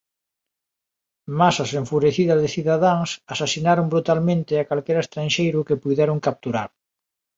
Masas enfurecidas de cidadáns asasinaron brutalmente a calquera estranxeiro que puideron capturar.